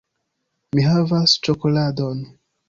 Mi havas ĉokoladon!